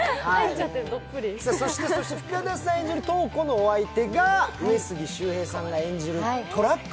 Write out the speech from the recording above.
そして深田さん演じる瞳子のお相手が、上杉柊平さん演じるトラック